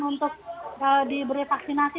untuk diberi vaksinasi